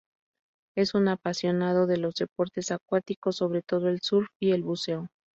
Es un apasionado de los deportes acuáticos, sobre todo el surf y el buceo.